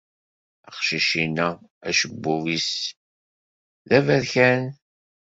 Aqcic-inna acebbub-nnes d aberkan.